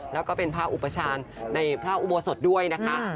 แล้วก็เป็นพระอุปชาญในพระอุโบสถด้วยนะคะ